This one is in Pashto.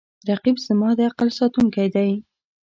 رقیب زما د عقل ساتونکی دی